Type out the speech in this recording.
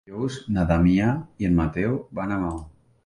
Dijous na Damià i en Mateu van a Maó.